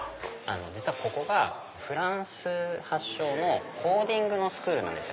実はここがフランス発祥のコーディングのスクールなんです。